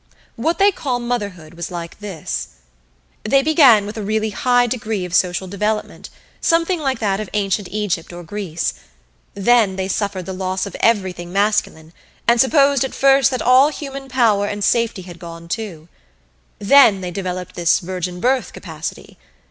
What they call Motherhood was like this: They began with a really high degree of social development, something like that of Ancient Egypt or Greece. Then they suffered the loss of everything masculine, and supposed at first that all human power and safety had gone too. Then they developed this virgin birth capacity.